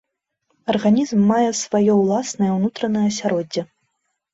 Арганізм мае сваё ўласнае ўнутранае асяроддзе.